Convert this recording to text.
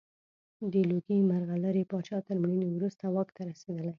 د لوګي مرغلرې پاچا تر مړینې وروسته واک ته رسېدلی.